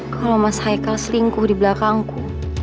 kalau mas haikal selingkuh di belakangku